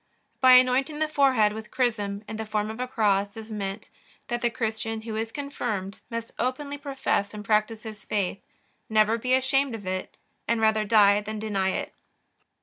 By anointing the forehead with chrism in the form of a cross is meant, that the Christian who is confirmed must openly profess and practice his faith, never be ashamed of it, and rather die than deny it.